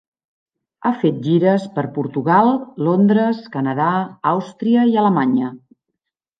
Ha fet gires per Portugal, Londres, Canadà, Àustria i Alemanya.